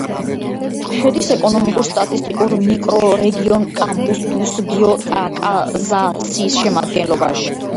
შედის ეკონომიკურ-სტატისტიკურ მიკრორეგიონ კამპუს-დუს-გოიტაკაზისის შემადგენლობაში.